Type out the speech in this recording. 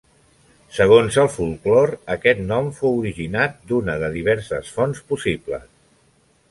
Segons el folklore, aquest nom fou originat d'una de diverses fonts possibles.